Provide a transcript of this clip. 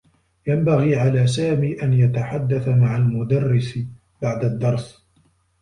ينبغي على سامي أن يتحدّث مع المدرّس بعد الدّرس.